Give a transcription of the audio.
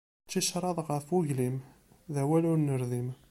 D ticraḍ ɣef uglim, d awal ur nerdim.